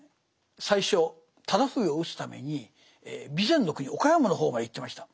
最初直冬を討つために備前国岡山の方まで行ってました。